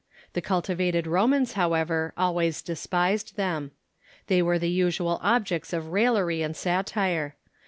The cultivated Ro mans, however, always despised them. They Avere the usual objects of raillery and satire.